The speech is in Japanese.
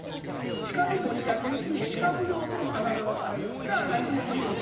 鹿の守り役１名鹿奉行ともあだ名をされる塚原出雲というお侍。